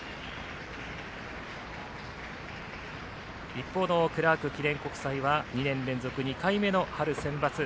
一方のクラーク記念国際は２年連続２回目の春センバツ。